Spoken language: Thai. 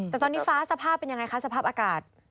แต่ตอนนี้ฟ้าสภาพเป็นยังไงคะสภาพอากาศ